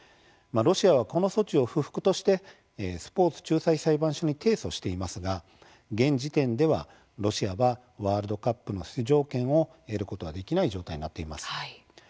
ロシアはこの措置を不服としてスポーツ仲裁裁判所に提訴していますが現時点ではロシアはワールドカップの出場権を得ることはできない状態になっています。